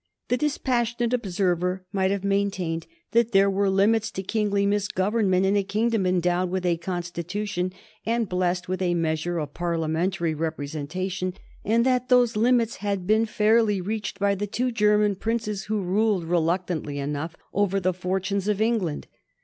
The dispassionate observer might have maintained that there were limits to kingly misgovernment in a kingdom endowed with a Constitution and blessed with a measure of Parliamentary representation, and that those limits had been fairly reached by the two German princes who ruled reluctantly enough over the fortunes of England.